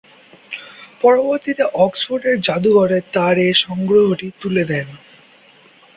পরবর্তীতে অক্সফোর্ডের যাদুঘরে তার এ সংগ্রহটি তুলে দেন।